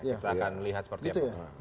kita akan lihat seperti itu